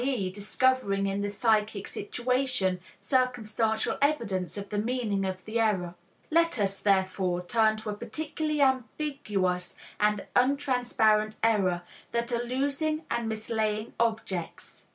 e., discovering in the psychic situation circumstantial evidence of the meaning of the error. Let us, therefore, turn to a particularly ambiguous and untransparent error, that of losing and mislaying objects.